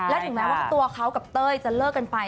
และถึงแม้ว่าตัวเขากับเต้ยจะเลิกกันไป